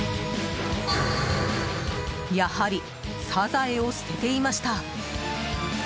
やはりサザエを捨てていました。